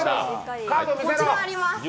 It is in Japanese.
もちろんあります。